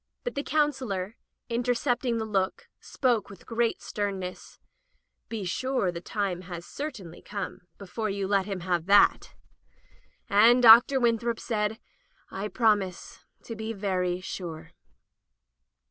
But the Counselor, inter cepting the look, spoke with great sternness: " Be sure the time has certainly come before you let him have that." And Dr. Winthrop said: "I promise to be very sure."